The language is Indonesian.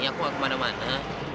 aku gak kemana mana